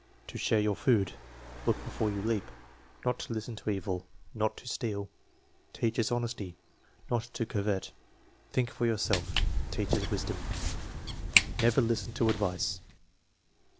"To share your food." " Look before you leap*" "Not to listen to evil." "Not to steal." "Teaches honesty." "Not to covet." "Think for yourself." "Teaches wisdom." "Never listen to advice."